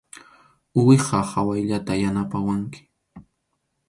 Uwiha qhawayllata yanapawanki.